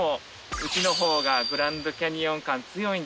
うちの方がグランドキャニオン感強いんじゃないでしょうかね。